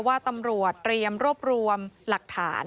ว่าตำรวจเตรียมรวบรวมหลักฐาน